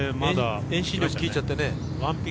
遠心力きいちゃってね。